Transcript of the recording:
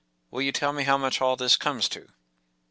“Will you tell me how much all this comes to?